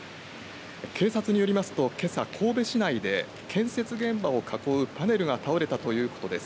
警察によりますとけさ神戸市内で建設現場を囲うパネルが倒れたということです。